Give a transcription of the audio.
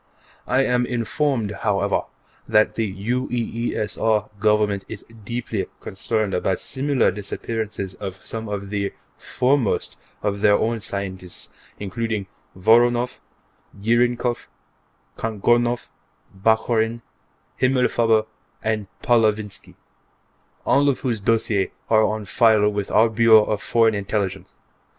I am informed, however, that the UEESR Government is deeply concerned about similar disappearances of some of the foremost of their own scientists, including Voronoff, Jirnikov, Kagorinoff, Bakhorin, Himmelfarber and Pavlovinsky, all of whose dossiers are on file with our Bureau of Foreign Intelligence.